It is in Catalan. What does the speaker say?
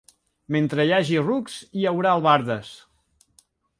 Mentre hi hagi rucs hi haurà albardes.